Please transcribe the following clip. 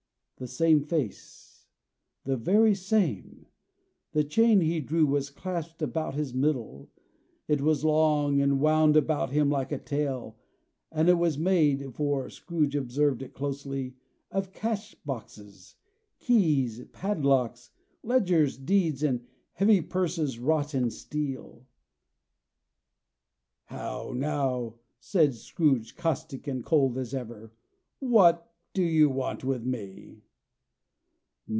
The same face: the very same. The chain he drew was clasped about his middle. It was long and wound about him like a tail; and it was made (for Scrooge observed it closely) of cash boxes, keys, padlocks, ledgers, deeds, and heavy purses wrought in steel. "How now" said Scrooge, caustic and cold as ever. "What do you want with me?"